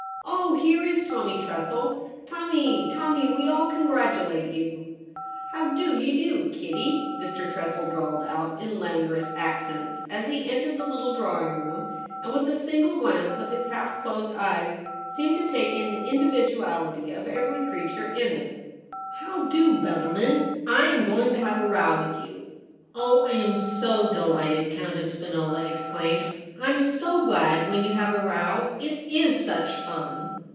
Oh, here is Tommy Tressel ! Tommy, Tommy, we all congratulate you !'* How d'ye do, Kitty ?' Mr. Tressel drawled out in languorous accents as he entered the little drawling room, and with a single glance of his half closed eyes seemed to take in the individuality of every creature in it. THE REBEL ROSE. * How do, Bellarmin ? I'm going to have a row with you.' * Oh, 1 am so dehghted,' Countess Spinola exclaimed ;' Tm so glad when you have a row. It is such fun.'